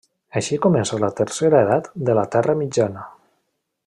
Així comença la Tercera Edat de la Terra Mitjana.